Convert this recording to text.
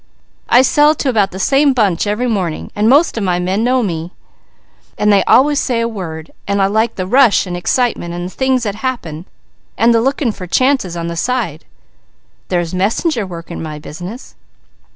I sell to about the same bunch every morning, and most of my men know me, and they always say a word, and I like the rush and excitement and the things that happen, and the looking for chances on the side " "There's messenger work in my business."